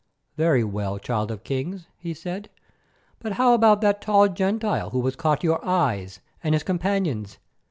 "Very well, Child of Kings," he said, "but how about that tall Gentile who has caught your eyes, and his companions?